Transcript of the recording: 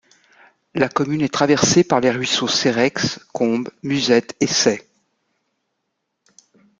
La commune est traversée par les ruisseaux Cereix, Combe, Musette et Say.